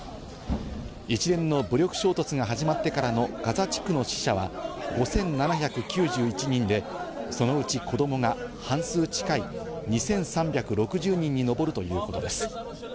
一連の武力衝突が始まってからのガザ地区の死者は５７９１人で、そのうち子どもが半数近い２３６０人に上るということです。